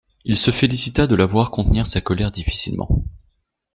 Il se félicita de la voir contenir sa colère difficilement.